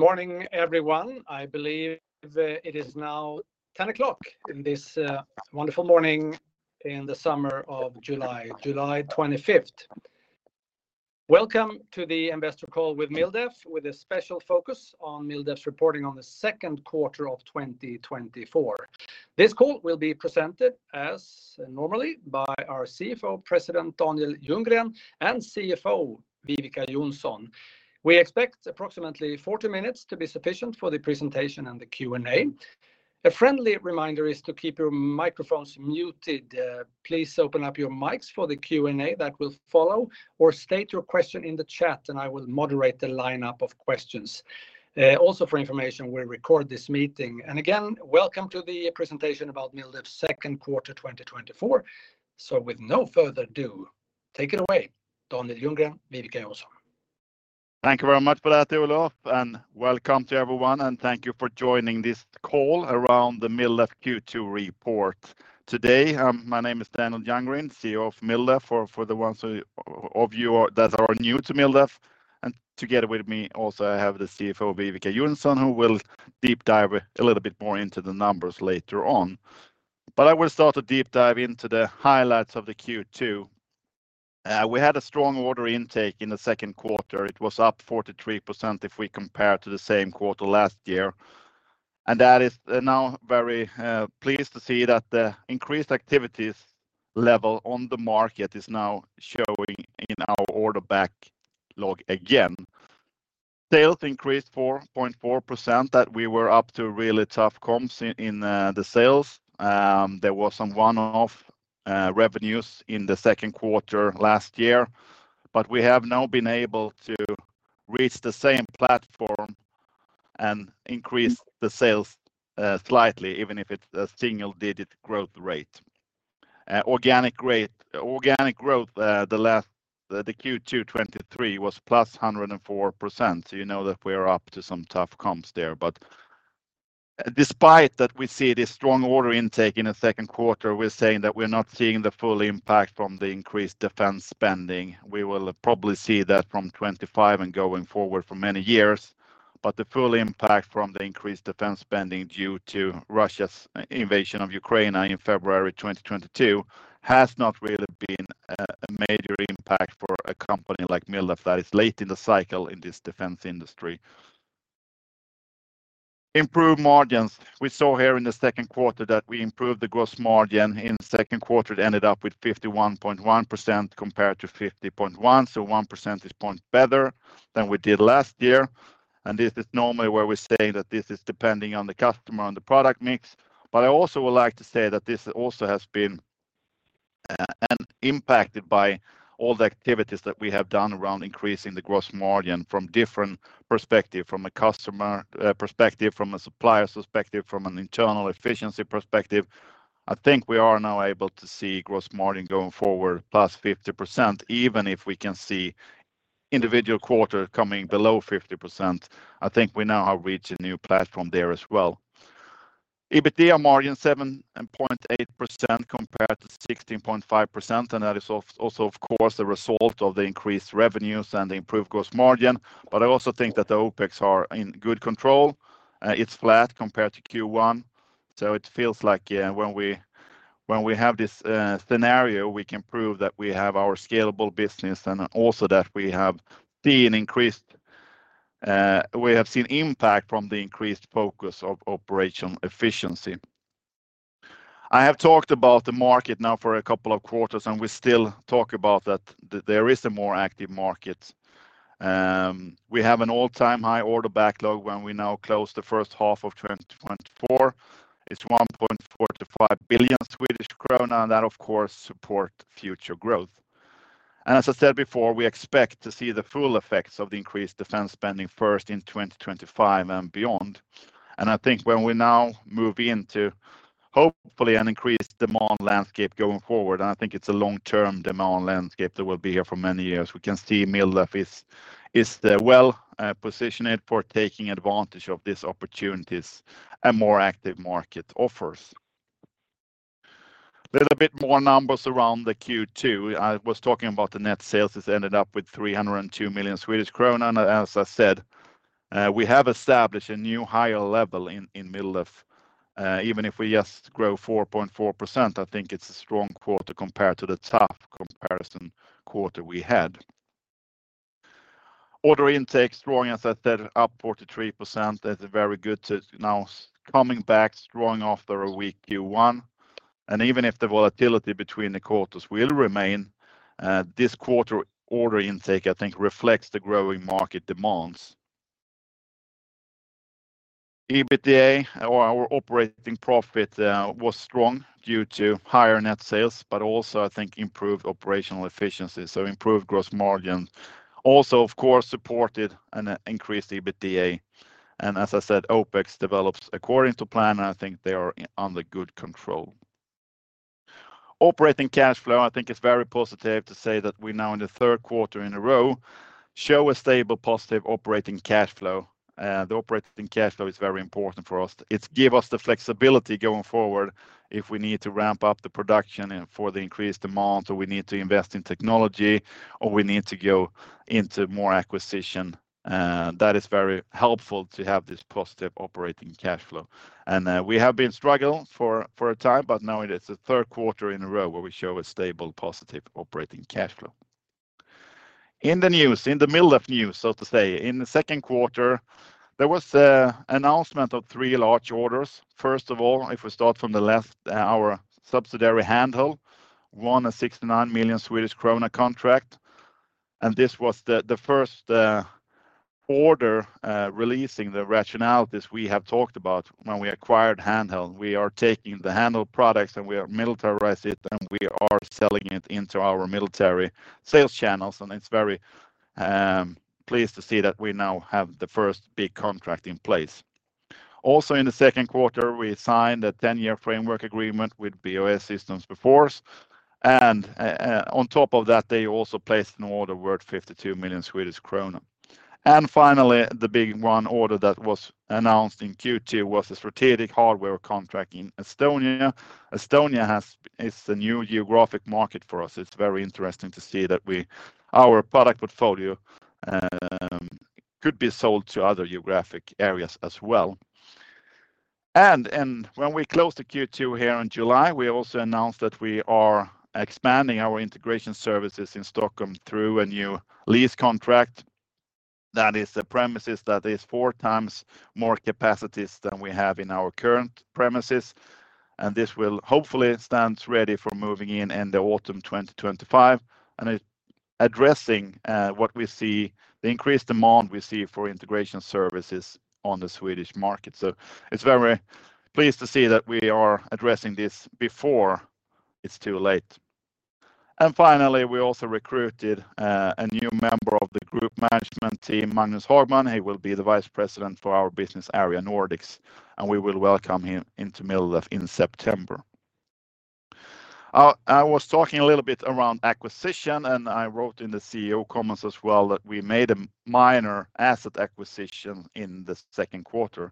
Good morning, everyone. I believe it is now 10:00 A.M. in this wonderful morning in the summer of July, July 25th. Welcome to the investor call with MilDef, with a special focus on MilDef's reporting on the Q2 of 2024. This call will be presented as normally by our President and CEO, Daniel Ljunggren, and CFO, Viveca Johnsson. We expect approximately 40 minutes to be sufficient for the presentation and the Q&A. A friendly reminder is to keep your microphones muted. Please open up your mics for the Q&A that will follow, or state your question in the chat, and I will moderate the lineup of questions. Also, for information, we'll record this meeting. Again, welcome to the presentation about MilDef's Q2 2024. So with no further do, take it away, Daniel Ljunggren, Viveca Johnsson. Thank you very much for that, Olof, and welcome to everyone, and thank you for joining this call around the MilDef Q2 report. Today, my name is Daniel Ljunggren, CEO of MilDef, for the ones of you who are new to MilDef. Together with me, also, I have the CFO, Viveca Johnsson, who will deep dive a little bit more into the numbers later on. I will start a deep dive into the highlights of the Q2. We had a strong order intake in the Q2. It was up 43% if we compare to the same quarter last year, and that is now very pleased to see that the increased activities level on the market is now showing in our order backlog again. Sales increased 4.4%, that we were up to really tough comps in the sales. There was some one-off revenues in the Q2 last year, but we have now been able to reach the same platform and increase the sales slightly, even if it's a single-digit growth rate. Organic growth the last, the Q2 2023, was +104%, so you know that we're up to some tough comps there. But despite that, we see this strong order intake in the Q2. We're saying that we're not seeing the full impact from the increased defense spending. We will probably see that from 2025 and going forward for many years. But the full impact from the increased defense spending due to Russia's invasion of Ukraine, in February 2022, has not really been a major impact for a company like MilDef, that is late in the cycle in this defense industry. Improved margins. We saw here in the Q2 that we improved the gross margin. In the Q2, it ended up with 51.1%, compared to 50.1%, so one percentage point better than we did last year. And this is normally where we're saying that this is depending on the customer and the product mix. But I also would like to say that this also has been an impacted by all the activities that we have done around increasing the gross margin from different perspective, from a customer perspective, from a supplier perspective, from an internal efficiency perspective. I think we are now able to see gross margin going forward +50%, even if we can see individual quarter coming below 50%. I think we now have reached a new platform there as well. EBITDA margin, 7.8%, compared to 16.5%, and that is also, of course, the result of the increased revenues and the improved gross margin. But I also think that the OpEx are in good control. It's flat compared to Q1, so it feels like, yeah, when we have this scenario, we can prove that we have our scalable business, and also that we have seen increased, we have seen impact from the increased focus of operational efficiency. I have talked about the market now for a couple of quarters, and we still talk about that, that there is a more active market. We have an all-time high order backlog when we now close the first half of 2024. It's 1.45 billion Swedish krona, and that, of course, support future growth. As I said before, we expect to see the full effects of the increased defense spending first in 2025 and beyond. I think when we now move into, hopefully, an increased demand landscape going forward, and I think it's a long-term demand landscape that will be here for many years, we can see MilDef is well positioned for taking advantage of these opportunities a more active market offers. Little bit more numbers around the Q2. I was talking about the net sales, which ended up with 302 million Swedish krona, and as I said, we have established a new higher level in MilDef. Even if we just grow 4.4%, I think it's a strong quarter compared to the tough comparison quarter we had. Order intake, strong, as I said, up 43%. That's very good to now coming back strong after a weak Q1. And even if the volatility between the quarters will remain, this quarter order intake, I think, reflects the growing market demands. EBITDA, or our operating profit, was strong due to higher net sales, but also, I think, improved operational efficiency, so improved gross margins. Also, of course, supported an increased EBITDA, and as I said, OpEx develops according to plan, and I think they are under good control. Operating cash flow, I think, is very positive to say that we're now in the Q3 in a row, show a stable, positive operating cash flow. The operating cash flow is very important for us. It give us the flexibility going forward if we need to ramp up the production and for the increased demand, or we need to invest in technology, or we need to go into more acquisition, that is very helpful to have this positive operating cash flow. And, we have been struggling for a time, but now it is the Q3 in a row where we show a stable, positive operating cash flow. In the news, in the middle of news, so to say, in the Q2, there was a announcement of three large orders. First of all, if we start from the left, our subsidiary, Handheld, won a 69 million Swedish krona contract, and this was the first order releasing the synergies we have talked about when we acquired Handheld. We are taking the Handheld products, and we are militarizing it, and we are selling it into our military sales channels, and it's very pleased to see that we now have the first big contract in place. Also, in the Q2, we signed a ten-year framework agreement with BAE Systems Bofors, and on top of that, they also placed an order worth 52 million Swedish krona. And finally, the big one order that was announced in Q2 was a strategic hardware contract in Estonia. Estonia has... is a new geographic market for us. It's very interesting to see that our product portfolio could be sold to other geographic areas as well. And when we closed the Q2 here in July, we also announced that we are expanding our integration services in Stockholm through a new lease contract. That is the premises that is four times more capacities than we have in our current premises, and this will hopefully stand ready for moving in in the autumn 2025, and it addressing what we see, the increased demand we see for integration services on the Swedish market. So it's very pleased to see that we are addressing this before it's too late. And finally, we also recruited a new member of the group management team, Magnus Hagman. He will be the vice president for our business area, Nordics, and we will welcome him into MilDef in September. I was talking a little bit around acquisition, and I wrote in the CEO comments as well, that we made a minor asset acquisition in the Q2.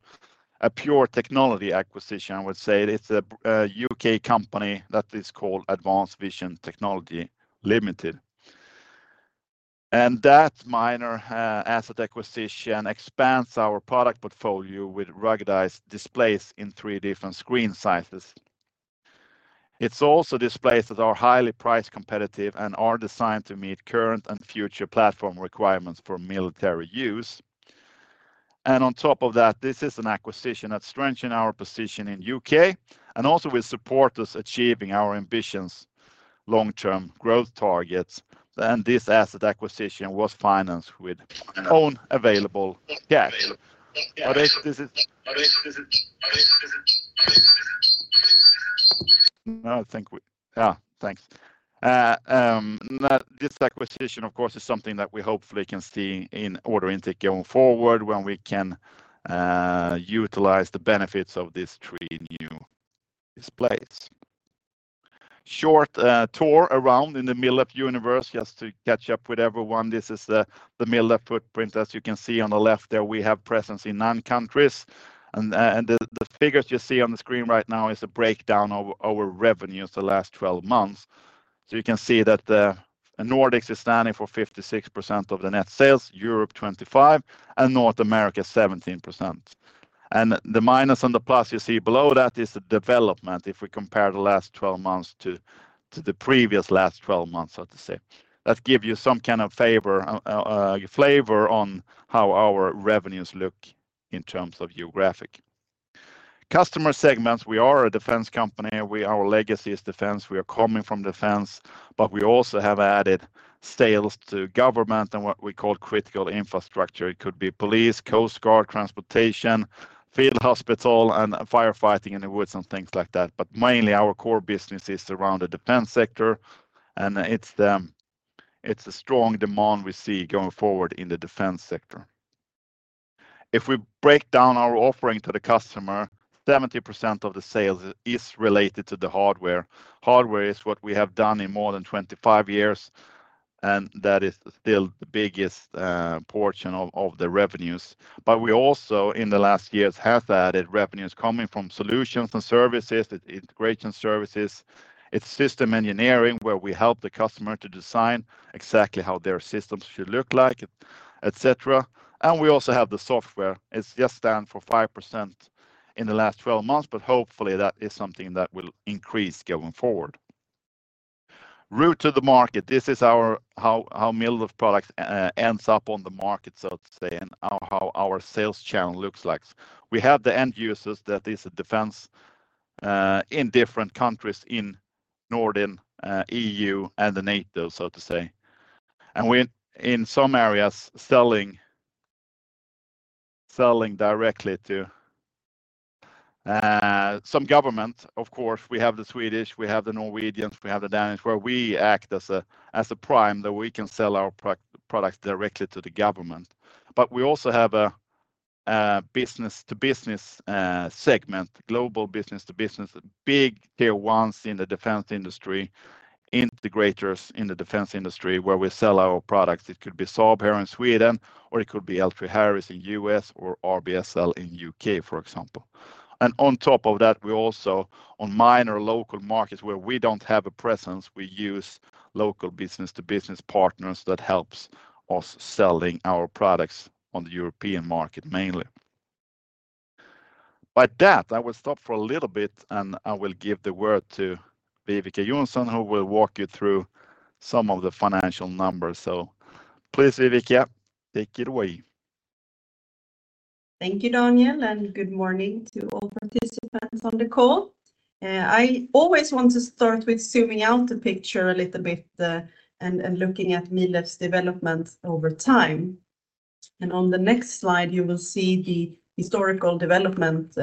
A pure technology acquisition, I would say. It's a U.K. company that is called Advanced Vision Technology Ltd. And that minor asset acquisition expands our product portfolio with ruggedized displays in three different screen sizes. It's also displays that are highly price competitive and are designed to meet current and future platform requirements for military use. And on top of that, this is an acquisition that strengthen our position in U.K., and also will support us achieving our ambitions, long-term growth targets, and this asset acquisition was financed with own available cash. I think we-- Thanks. Now, this acquisition, of course, is something that we hopefully can see in order intake going forward, when we can utilize the benefits of these three new displays. Short tour around in the MilDef universe, just to catch up with everyone. This is the MilDef footprint. As you can see on the left there, we have presence in nine countries, and the figures you see on the screen right now is a breakdown of our revenues the last twelve months. So you can see that the Nordics is standing for 56% of the net sales, Europe 25, and North America 17%. And the minus and the plus you see below that is the development if we compare the last twelve months to the previous last twelve months, so to say. That gives you some kind of favor, flavor on how our revenues look in terms of geographic customer segments. We are a defense company. Our legacy is defense. We are coming from defense, but we also have added sales to government and what we call critical infrastructure. It could be police, coast guard, transportation, field hospital, and firefighting in the woods, and things like that. But mainly, our core business is around the defense sector, and it's a strong demand we see going forward in the defense sector. If we break down our offering to the customer, 70% of the sales is related to the hardware. Hardware is what we have done in more than 25 years, and that is still the biggest portion of the revenues. But we also, in the last years, have added revenues coming from solutions and services, integration services. It's system engineering, where we help the customer to design exactly how their systems should look like, et cetera. And we also have the software. It's just stands for 5% in the last 12 months, but hopefully that is something that will increase going forward. Route to the market, this is our how MilDef products ends up on the market, so to say, and how our sales channel looks like. We have the end users, that is a defense in different countries in Nordics, EU, and the NATO, so to say. And we're, in some areas, selling directly to some government. Of course, we have the Swedish, we have the Norwegian, we have the Danish, where we act as a prime, that we can sell our products directly to the government. But we also have a business to business segment, global business to business, big tier ones in the defense industry, integrators in the defense industry, where we sell our products. It could be Saab here in Sweden, or it could be L3Harris in the U.S. or RBSL in the U.K., for example. And on top of that, we also, on minor local markets where we don't have a presence, we use local business to business partners that helps us selling our products on the European market, mainly. By that, I will stop for a little bit, and I will give the word to Viveca Johnsson, who will walk you through some of the financial numbers. Please, Viveca, take it away. Thank you, Daniel, and good morning to all participants on the call. I always want to start with zooming out the picture a little bit, and looking at MilDef's development over time. On the next slide, you will see the historical development,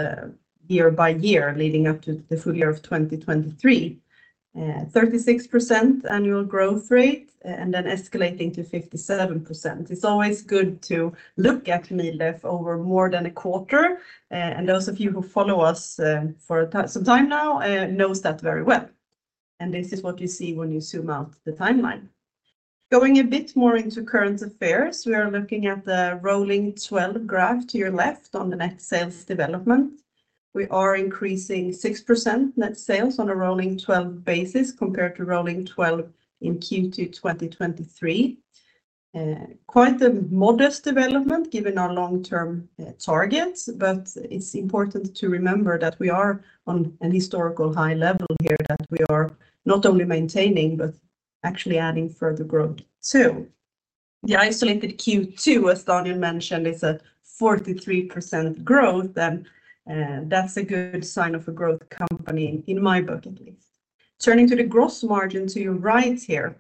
year by year, leading up to the full year of 2023. 36% annual growth rate, and then escalating to 57%. It's always good to look at MilDef over more than a quarter, and those of you who follow us, for some time now, knows that very well, and this is what you see when you zoom out the timeline. Going a bit more into current affairs, we are looking at the rolling twelve graph to your left on the net sales development. We are increasing 6% net sales on a rolling twelve basis, compared to rolling twelve in Q2 2023. Quite a modest development, given our long-term targets, but it's important to remember that we are on an historical high level here, that we are not only maintaining, but actually adding further growth, too. The isolated Q2, as Daniel mentioned, is a 43% growth, and that's a good sign of a growth company, in my book, at least. Turning to the gross margin to your right here,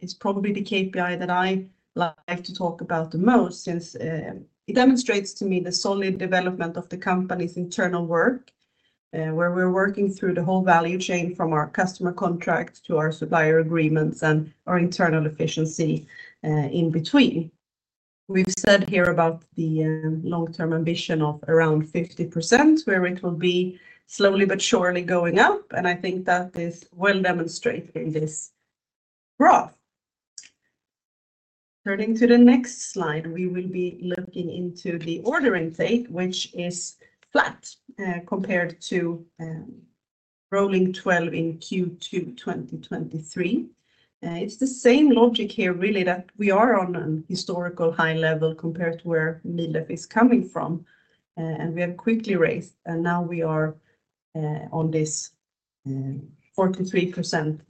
is probably the KPI that I like to talk about the most, since it demonstrates to me the solid development of the company's internal work, where we're working through the whole value chain, from our customer contracts to our supplier agreements and our internal efficiency, in between. We've said here about the long-term ambition of around 50%, where it will be slowly but surely going up, and I think that is well demonstrated in this graph. Turning to the next slide, we will be looking into the order intake, which is flat compared to rolling twelve in Q2 2023. It's the same logic here, really, that we are on an historical high level compared to where MilDef is coming from, and we have quickly raised, and now we are on this 43%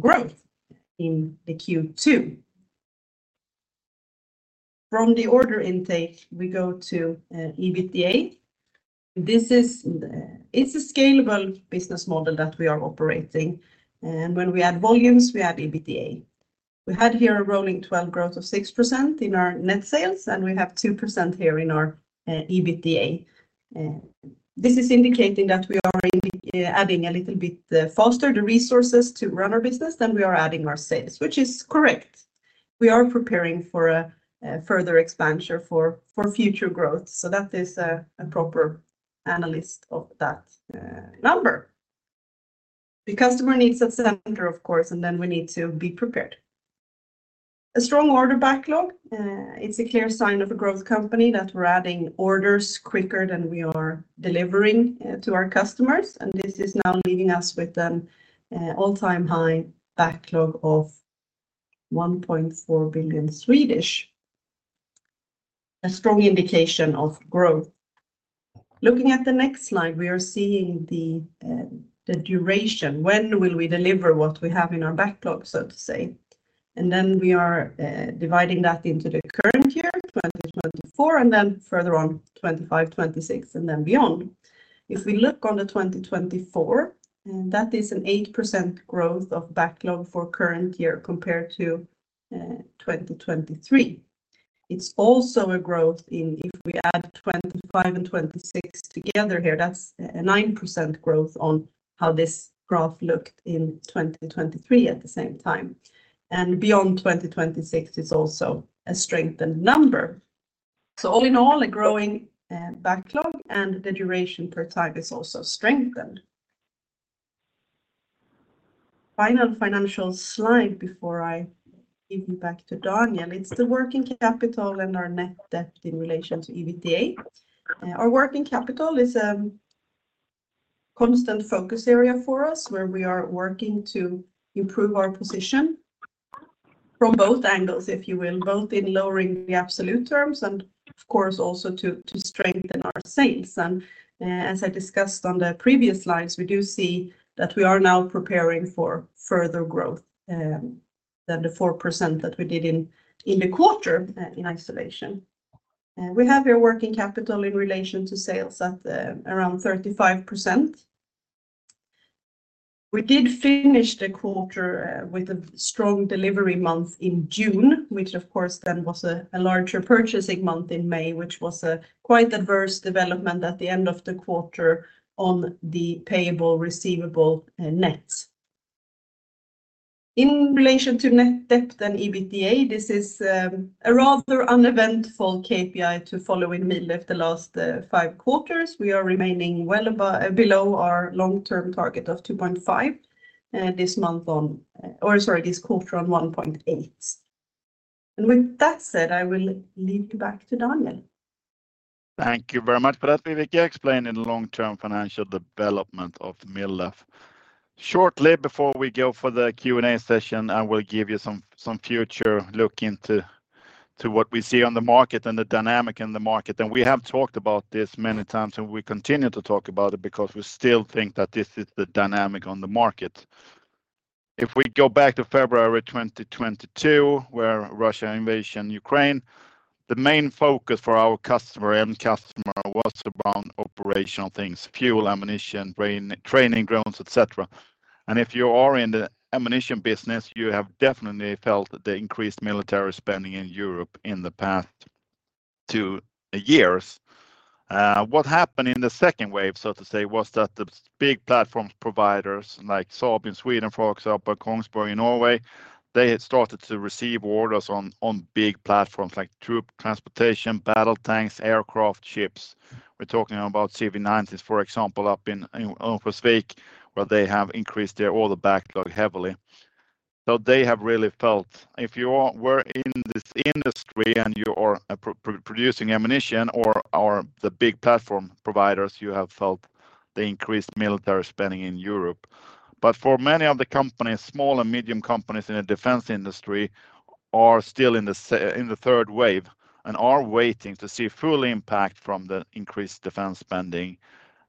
growth in the Q2. From the order intake, we go to EBITDA. This is, it's a scalable business model that we are operating, and when we add volumes, we add EBITDA. We had here a rolling twelve growth of 6% in our net sales, and we have 2% here in our EBITDA. This is indicating that we are adding a little bit faster the resources to run our business than we are adding our sales, which is correct. We are preparing for a further expansion for future growth, so that is a proper analysis of that number. The customer needs at the center, of course, and then we need to be prepared. A strong order backlog, it's a clear sign of a growth company, that we're adding orders quicker than we are delivering to our customers, and this is now leaving us with an all-time high backlog of 1.4 billion. A strong indication of growth. Looking at the next slide, we are seeing the duration. When will we deliver what we have in our backlog, so to say? And then we are dividing that into the current year, 2024, and then further on, 25, 26, and then beyond. If we look on the 2024, that is an 8% growth of backlog for current year compared to 2023. It's also a growth in if we add 25 and 26 together here, that's a 9% growth on how this graph looked in 2023 at the same time, and beyond 2026 is also a strengthened number. So all in all, a growing backlog, and the duration per type is also strengthened. Final financial slide before I give you back to Daniel. It's the working capital and our net debt in relation to EBITDA. Our working capital is a constant focus area for us, where we are working to improve our position from both angles, if you will, both in lowering the absolute terms and of course, also to strengthen our sales. As I discussed on the previous slides, we do see that we are now preparing for further growth than the 4% that we did in the quarter, in isolation. We have our working capital in relation to sales at around 35%. We did finish the quarter with a strong delivery month in June, which of course, then was a larger purchasing month in May, which was a quite adverse development at the end of the quarter on the payable, receivable nets. In relation to net debt and EBITDA, this is a rather uneventful KPI to follow in MilDef the last five quarters. We are remaining well below our long-term target of 2.5, this quarter on 1.8. And with that said, I will leave you back to Daniel. Thank you very much for that, Viveca. Explaining the long-term financial development of MilDef. Shortly before we go for the Q&A session, I will give you some future look into what we see on the market and the dynamic in the market. And we have talked about this many times, and we continue to talk about it because we still think that this is the dynamic on the market. If we go back to February 2022, where Russia's invasion of Ukraine, the main focus for our customer, end customer, was around operational things, fuel, ammunition, training grounds, et cetera. And if you are in the ammunition business, you have definitely felt the increased military spending in Europe in the past two years. What happened in the second wave, so to say, was that the big platform providers, like Saab in Sweden, for example, Kongsberg in Norway, they had started to receive orders on big platforms, like troop transportation, battle tanks, aircraft, ships. We're talking about CV90s, for example, up in Örnsköldsvik, where they have increased their order backlog heavily. So they have really felt... If you were in this industry, and you are producing ammunition or the big platform providers, you have felt the increased military spending in Europe. But for many of the companies, small and medium companies in the defense industry, are still in the third wave, and are waiting to see full impact from the increased defense spending.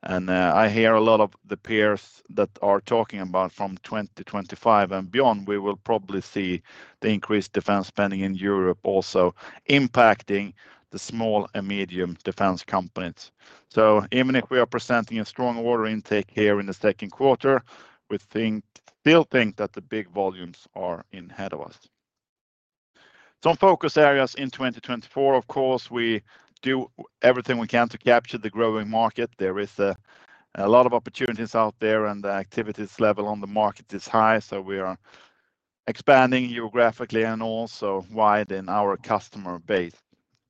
I hear a lot of the peers that are talking about from 2025 and beyond, we will probably see the increased defense spending in Europe also impacting the small and medium defense companies. So even if we are presenting a strong order intake here in the Q2, we think still think that the big volumes are ahead of us. Some focus areas in 2024, of course, we do everything we can to capture the growing market. There is a lot of opportunities out there, and the activities level on the market is high, so we are expanding geographically and also widen our customer base.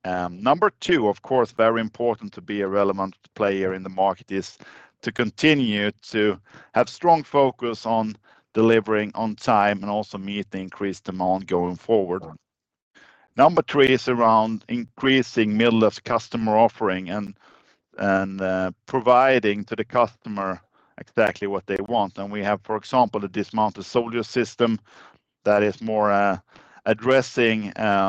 Number two, of course, very important to be a relevant player in the market, is to continue to have strong focus on delivering on time and also meet the increased demand going forward. Number three is around increasing MilDef's customer offering and providing to the customer exactly what they want. And we have, for example, a Dismounted Soldier System that is more addressing the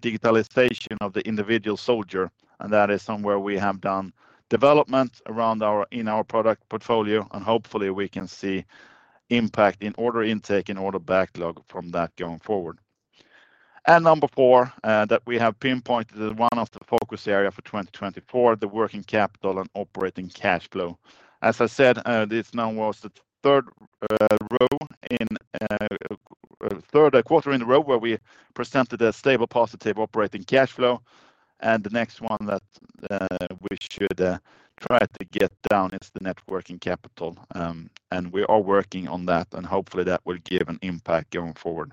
digitalization of the individual soldier, and that is somewhere we have done development in our product portfolio, and hopefully we can see impact in order intake and order backlog from that going forward. And number four that we have pinpointed as one of the focus area for 2024, the working capital and operating cash flow. As I said, this now was the Q3 in a row where we presented a stable, positive operating cash flow, and the next one that we should try to get down, it's the net working capital. We are working on that, and hopefully that will give an impact going forward.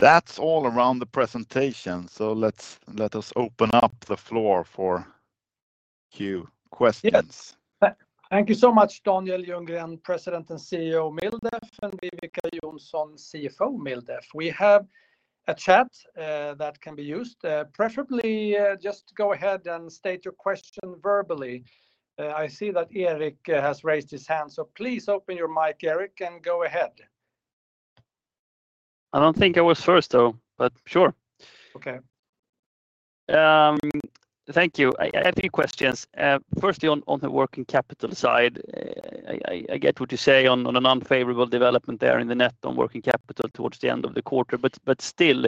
That's all around the presentation, so let's open up the floor for questions. Yes. Thank you so much, Daniel Ljunggren, President and CEO, Mildef, and Viveca Johnsson, CFO, Mildef. We have a chat that can be used. Preferably, just go ahead and state your question verbally. I see that Eric has raised his hand, so please open your mic, Eric, and go ahead. I don't think I was first, though, but sure. Okay. Thank you. I have a few questions. Firstly, on the working capital side, I get what you say on an unfavorable development there in the net working capital towards the end of the quarter, but still,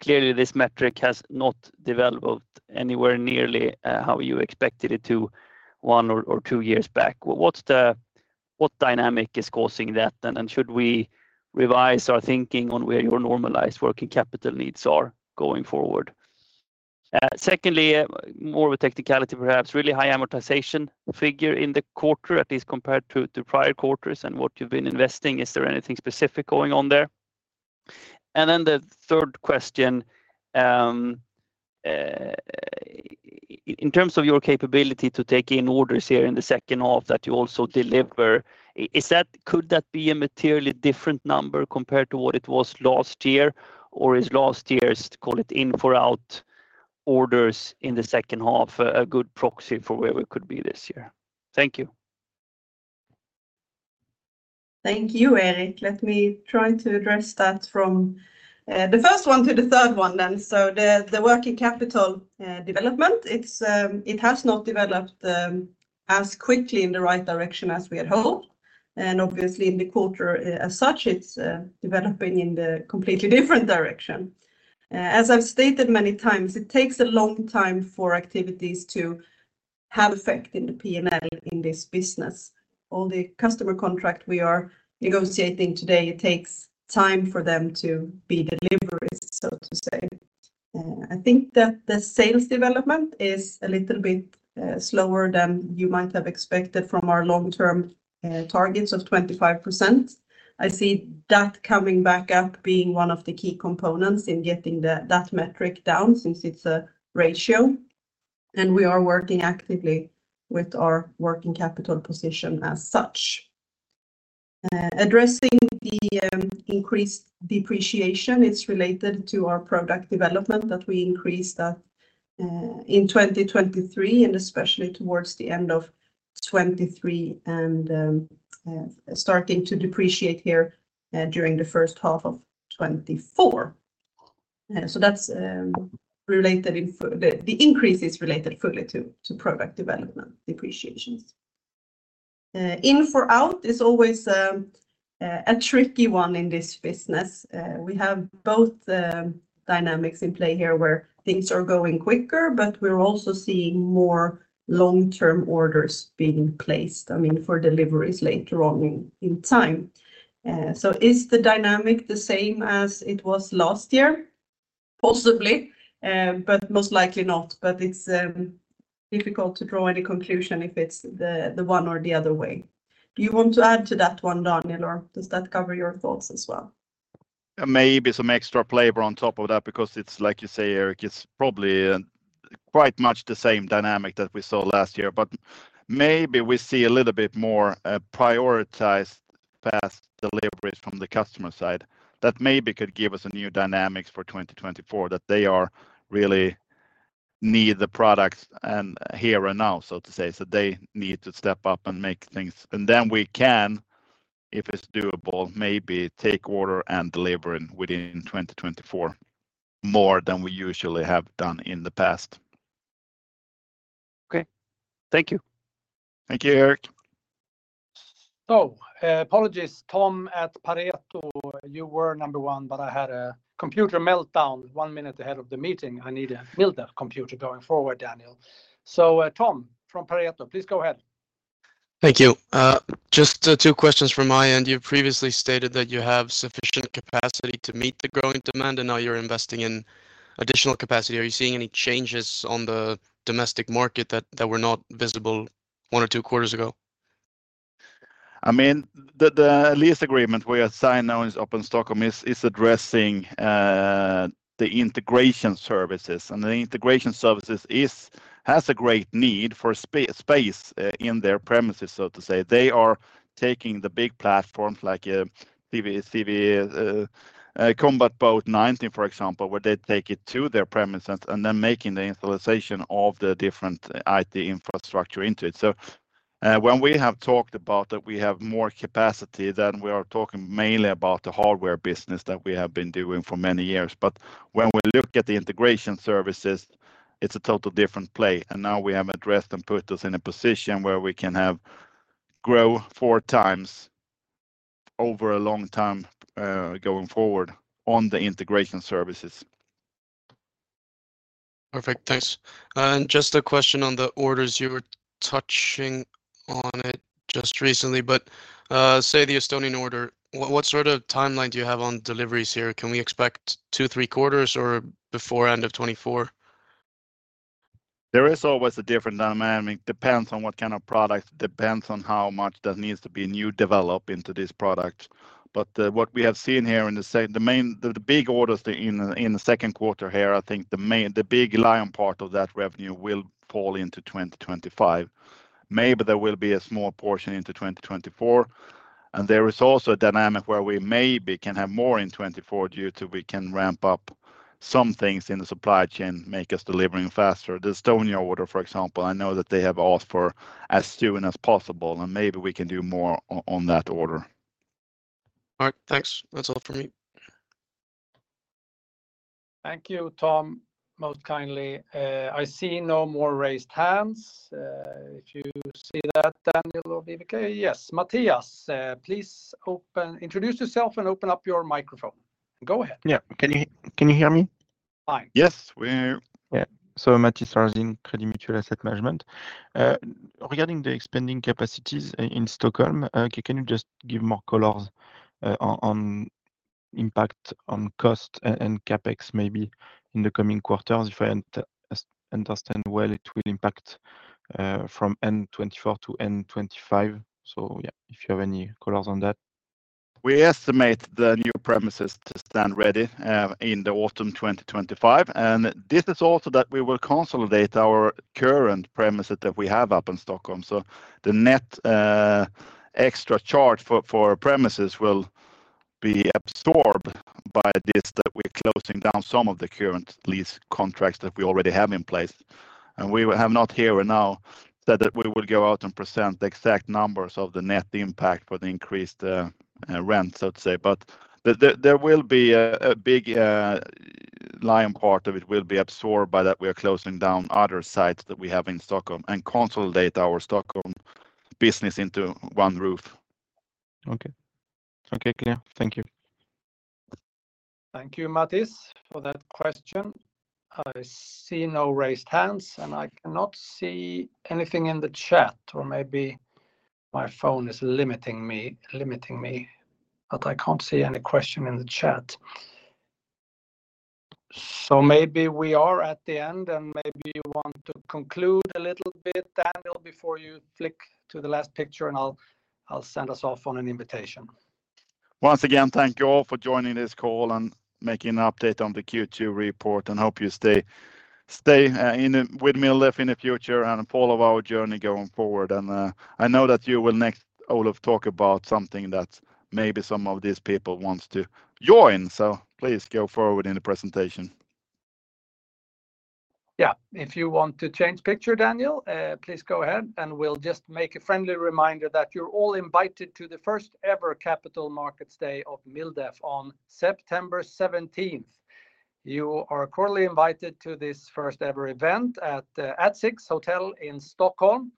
clearly, this metric has not developed anywhere nearly how you expected it to one or two years back. What dynamic is causing that, and should we revise our thinking on where your normalized working capital needs are going forward? Secondly, more of a technicality, perhaps, really high amortization figure in the quarter, at least compared to prior quarters and what you've been investing. Is there anything specific going on there? Then the third question, in terms of your capability to take in orders here in the second half that you also deliver, is that? Could that be a materially different number compared to what it was last year? Or is last year's, call it in-for-out, orders in the second half a good proxy for where we could be this year? Thank you. Thank you, Eric. Let me try to address that from the first one to the third one then. So the working capital development, it has not developed as quickly in the right direction as we had hoped, and obviously in the quarter as such, it's developing in the completely different direction. As I've stated many times, it takes a long time for activities to have effect in the P&L in this business. All the customer contract we are negotiating today, it takes time for them to be delivered, so to say.... I think that the sales development is a little bit slower than you might have expected from our long-term targets of 25%. I see that coming back up being one of the key components in getting that metric down since it's a ratio, and we are working actively with our working capital position as such. Addressing the increased depreciation, it's related to our product development that we increased that in 2023, and especially towards the end of 2023, and starting to depreciate here during the first half of 2024. So that's related, the increase is related fully to product development depreciations. In for out is always a tricky one in this business. We have both dynamics in play here where things are going quicker, but we're also seeing more long-term orders being placed, I mean, for deliveries later on in time. So is the dynamic the same as it was last year? Possibly, but most likely not. But it's difficult to draw any conclusion if it's the, the one or the other way. Do you want to add to that one, Daniel, or does that cover your thoughts as well? Maybe some extra flavor on top of that, because it's like you say, Eric, it's probably quite much the same dynamic that we saw last year. But maybe we see a little bit more prioritized fast deliveries from the customer side that maybe could give us a new dynamics for 2024, that they are really need the products and here and now, so to say. So they need to step up and make things. And then we can, if it's doable, maybe take order and deliver it within 2024, more than we usually have done in the past. Okay. Thank you. Thank you, Eric. So, apologies, Tom, at Pareto, you were number one, but I had a computer meltdown one minute ahead of the meeting. I need a milder computer going forward, Daniel. So, Tom, from Pareto, please go ahead. Thank you. Just two questions from my end. You previously stated that you have sufficient capacity to meet the growing demand, and now you're investing in additional capacity. Are you seeing any changes on the domestic market that were not visible one or two quarters ago? I mean, the lease agreement we have signed now is up in Stockholm, is addressing the integration services. And the integration services has a great need for space in their premises, so to say. They are taking the big platforms like CB90, CB90, Combat Boat 90, for example, where they take it to their premises and then making the installation of the different IT infrastructure into it. So, when we have talked about that we have more capacity, then we are talking mainly about the hardware business that we have been doing for many years. But when we look at the integration services, it's a total different play, and now we have addressed and put us in a position where we can have grow 4 times over a long time, going forward on the integration services. Perfect, thanks. And just a question on the orders, you were touching on it just recently, but, say, the Estonian order, what, what sort of timeline do you have on deliveries here? Can we expect two, three quarters or before end of 2024? There is always a different dynamic. Depends on what kind of product, depends on how much that needs to be new developed into this product. But, what we have seen here in the main, the big orders in the Q2 here, I think the main, the big lion part of that revenue will fall into 2025. Maybe there will be a small portion into 2024, and there is also a dynamic where we maybe can have more in 2024, due to we can ramp up some things in the supply chain, make us delivering faster. The Estonia order, for example, I know that they have asked for as soon as possible, and maybe we can do more on that order. All right, thanks. That's all from me. Thank you, Tom. Most kindly, I see no more raised hands. If you see that, Daniel or Viveca? Yes, Matthis, please introduce yourself and open up your microphone. Go ahead. Yeah. Can you, can you hear me? Fine. Yes, we- Yeah. So Matthis Sarrazin, Crédit Mutuel Asset Management. Regarding the expanding capacities in Stockholm, can you just give more colors on impact on cost and CapEx maybe in the coming quarters? If I understand well, it will impact from end 2024 to end 2025. So yeah, if you have any colors on that. We estimate the new premises to stand ready in the autumn 2025, and this is also that we will consolidate our current premises that we have up in Stockholm. So the net extra charge for premises will be absorbed by this, that we're closing down some of the current lease contracts that we already have in place. And we have not here and now said that we will go out and present the exact numbers of the net impact for the increased rent, so to say. But there will be a big lion part of it will be absorbed by that we are closing down other sites that we have in Stockholm and consolidate our Stockholm business into one roof. Okay. Okay, clear. Thank you. Thank you, Matthieu, for that question. I see no raised hands, and I cannot see anything in the chat. My phone is limiting me, but I can't see any question in the chat. So maybe we are at the end, and maybe you want to conclude a little bit, Daniel, before you flick to the last picture, and I'll send us off on an invitation. Once again, thank you all for joining this call and making an update on the Q2 report, and hope you stay in with MilDef in the future and follow our journey going forward. I know that you will next, Olof, talk about something that maybe some of these people wants to join, so please go forward in the presentation. Yeah, if you want to change picture, Daniel, please go ahead, and we'll just make a friendly reminder that you're all invited to the first ever Capital Markets Day of MilDef on September 17th. You are cordially invited to this first ever event at Six Hotel in Stockholm.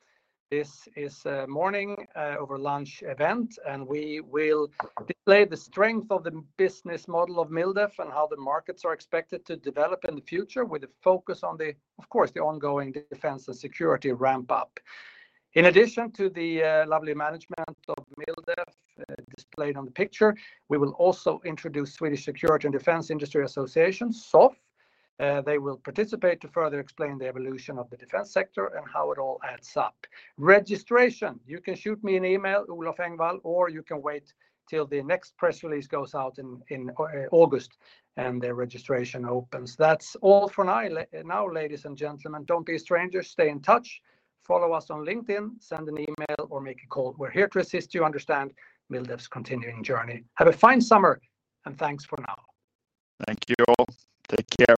This is a morning over lunch event, and we will display the strength of the business model of MilDef, and how the markets are expected to develop in the future, with a focus on the, of course, the ongoing defense and security ramp up. In addition to the lovely management of MilDef displayed on the picture, we will also introduce Swedish Security and Defence Industry Association, SOFF. They will participate to further explain the evolution of the defense sector and how it all adds up. Registration, you can shoot me an email, Olof Engvall, or you can wait till the next press release goes out in August, and the registration opens. That's all for now, now, ladies and gentlemen. Don't be strangers, stay in touch. Follow us on LinkedIn, send an email, or make a call. We're here to assist you understand MilDef's continuing journey. Have a fine summer, and thanks for now. Thank you all. Take care.